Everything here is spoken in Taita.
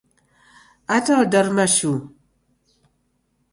Ata odaruma shuu!